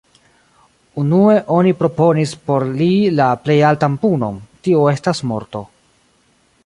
Unue oni proponis por li la plej altan punon, tio estas morto.